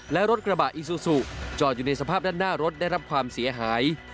และรถกระบะอีซูซูจอดอยู่ในสภาพด้านหน้ารถได้รับความเสียหาย